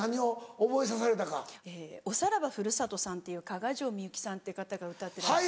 『おさらば故郷さん』っていう加賀城みゆきさんって方が歌ってらっしゃった。